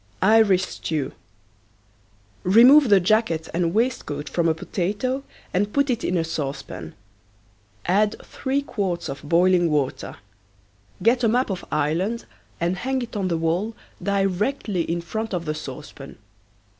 IRISH STEW. Remove the jacket and waistcoat from a potato and put it in a saucepan. Add three quarts of boiling water. Get a map of Ireland and hang it on the wall directly in front of the saucepan.